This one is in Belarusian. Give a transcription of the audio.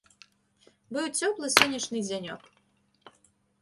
Быў цёплы сонечны дзянёк.